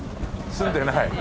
住んでない。